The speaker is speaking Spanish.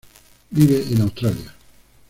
Vive en Australia.